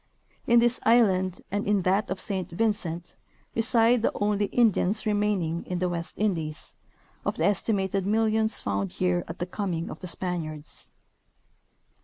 In this island, and in that of Saint Vincent, reside the only Indians remaining in the West indies, of the. estimated millions found here at the coming of the Spaniards.